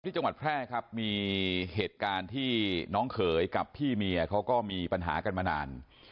จังหวัดแพร่ครับมีเหตุการณ์ที่น้องเขยกับพี่เมียเขาก็มีปัญหากันมานาน